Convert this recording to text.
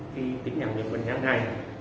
khi tín nhầm những bệnh nhân này